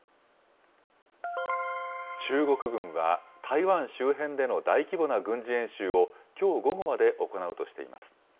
中国軍は、台湾周辺での大規模な軍事演習をきょう午後まで行うとしています。